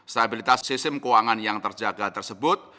stabilitas sistem keuangan yang terjaga tersebut